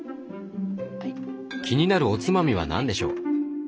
気になるおつまみは何でしょう？